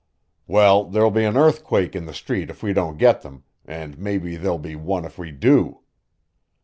"Well, there'll be an earthquake in the Street if we don't get them, and maybe there'll be one if we do.